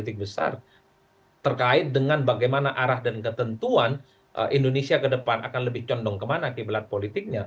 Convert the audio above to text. itu yang kedua kekuatan politik besar terkait dengan bagaimana arah dan ketentuan indonesia ke depan akan lebih condong kemana dari politiknya